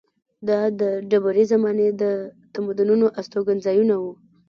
دا د ډبرې زمانې د تمدنونو استوګنځایونه وو.